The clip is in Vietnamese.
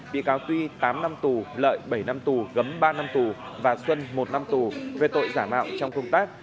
bị cáo tuy tám năm tù lợi bảy năm tù gấm ba năm tù và xuân một năm tù về tội giả mạo trong công tác